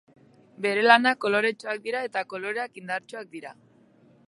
Bere lanak koloretsuak dira eta koloreak indartsuak dira.